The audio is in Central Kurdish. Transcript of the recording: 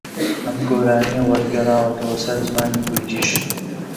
ئەم گۆرانییە وەرگێڕاوەتەوە سەر زمانی کوردیش